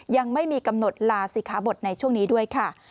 ยังไม่มีกำหนดลาศิขาบทในช่วงนี้ด้วยค่ะ